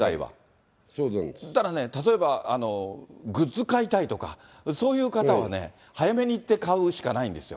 ただね、例えばグッズ買いたいとか、そういう方はね、早めに行って買うしかないんですよ。